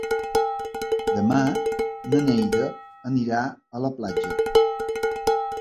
Demà na Neida anirà a la platja.